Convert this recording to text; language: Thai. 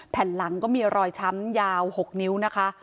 แผ่นหลังก็มีรอยช้ำยาว๖นิ้วนะคะ